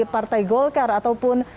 partai golkar ataupun